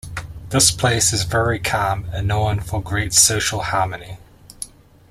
This Place is very calm and known for great social harmony.